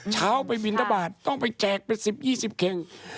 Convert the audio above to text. เช้าไปบินตะบาทต้องไปแจกไป๑๐๒๐เค็ง